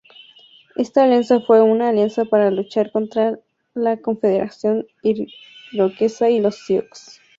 Esta alianza fue una alianza para luchar contra la Confederación Iroquesa y los Sioux.